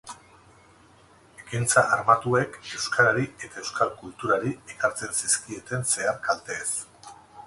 Ekintza armatuek euskarari eta euskal kulturari ekartzen zizkieten zehar-kalteez.